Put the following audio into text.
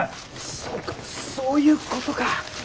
そうかそういうことか。